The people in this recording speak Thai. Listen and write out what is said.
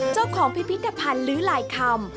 เจ้าของพิธภัณฑ์ลื้อหลายคำ